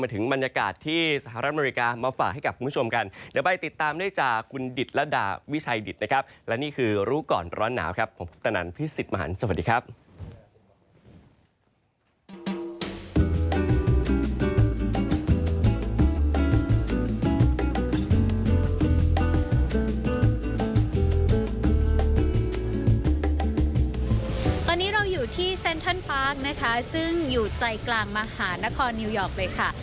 ตอนนี้เราอยู่ที่เซ็นทรัลพาร์คนะคะซึ่งอยู่ใจกลางมหานครนิวยอร์กเลยค่ะ